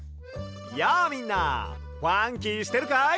やあみんなファンキーしてるかい？